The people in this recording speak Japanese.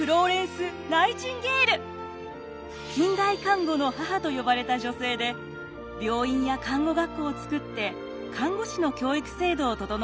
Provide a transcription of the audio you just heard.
近代看護の母と呼ばれた女性で病院や看護学校を作って看護師の教育制度を整えました。